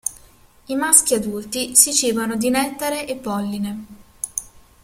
I maschi adulti si cibano di nettare e polline.